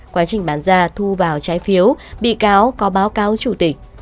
quá trình bán ra thu vào trái phiếu bị cáo có báo cáo chủ tịch